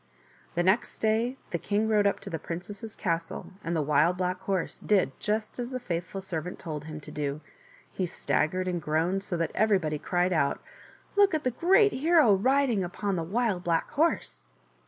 The next day the king rode up to the princess's castle, and the Wild Black Horse did just as the faithful servant told him to do; he staggered and groaned, so that everybody cried out, " Look at the great hero riding upon the Wild Black Horse